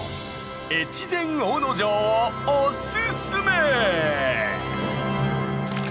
越前大野城をおすすめ！